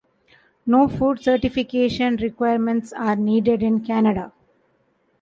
No food certification requirements are needed in Canada.